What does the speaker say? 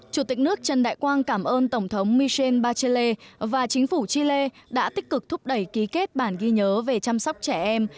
chủ tịch nước trần đại quang cảm ơn tổng thống michel bachelle và chính phủ chile đã tích cực thúc đẩy ký kết bản ghi nhớ về chăm sóc trẻ em